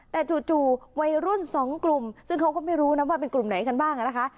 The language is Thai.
แต่จู่วัยรุ่นสองกลุ่มซึ่งเขาก็ไม่รู้นะว่าเป็นกลุ่มไหนกันบ้างนะคะ